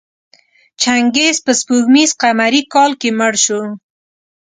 چنګیز په سپوږمیز قمري کال کې مړ شو.